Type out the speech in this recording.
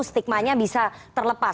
stigmanya bisa terlepas